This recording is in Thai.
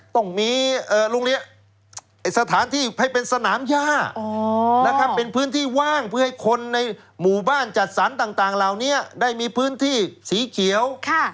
ต้องมีโรงเรียนสถานที่ให้เป็นสนามย่านะครับเป็นพื้นที่ว่างเพื่อให้คนในหมู่บ้านจัดสรรต่างเหล่านี้ได้มีพื้นที่สีเขียว